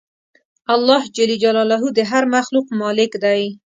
الله د هر مخلوق مالک دی.